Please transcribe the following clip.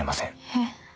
「えっ？」